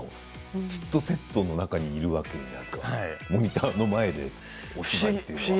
ずっとセットの中にいるわけじゃないですか、モニターの前でお芝居。